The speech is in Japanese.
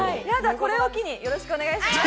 これを機によろしくお願いします。